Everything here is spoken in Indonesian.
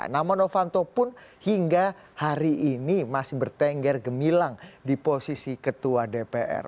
nama novanto pun hingga hari ini masih bertengger gemilang di posisi ketua dpr